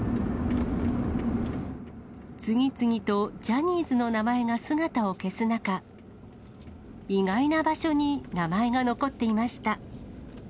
次々とジャニーズの名前が姿を消す中、意外な場所に名前が残っていました。